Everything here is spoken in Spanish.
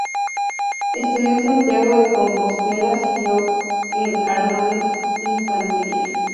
Estudió en Santiago de Compostela siguió el arma de Infantería.